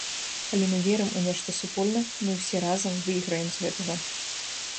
Калі мы верым у нешта супольна, мы ўсе разам выйграем з гэтага.